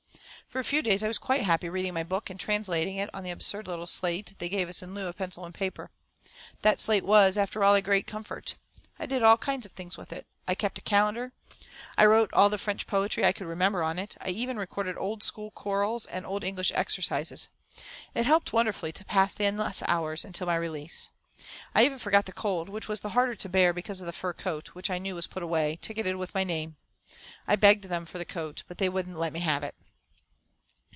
For a few days I was quite happy, reading my book and translating it on the absurd little slate they gave us in lieu of paper and pencil. That slate was, after all, a great comfort. I did all kinds of things with it. I kept a calendar, I wrote all the French poetry I could remember on it, I even recorded old school chorals and old English exercises. It helped wonderfully to pass the endless hours until my release. I even forgot the cold, which was the harder to bear because of the fur coat, which I knew was put away, ticketed with my name. I begged them for the coat, but they wouldn't let me have it.